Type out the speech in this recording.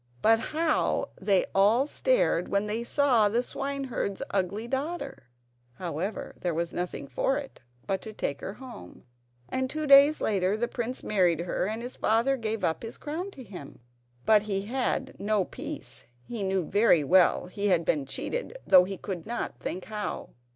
But how they all stared when they saw the swineherd's ugly daughter! However, there was nothing for it but to take her home; and, two days later, the prince married her, and his father gave up the crown to him. But he had no peace! He knew very well he had been cheated, though he could not think how.